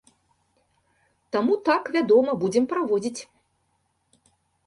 Таму, так, вядома, будзем праводзіць.